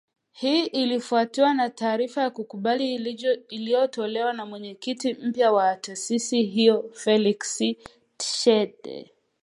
Hii ilifuatiwa na taarifa ya kukubali iliyotolewa na mwenyekiti mpya wa taasisi hiyo Rais Felix Tshisekedi